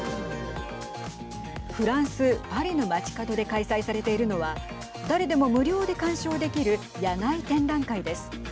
フランス、パリの街角で開催されているのは誰でも無料で鑑賞できる野外展覧会です。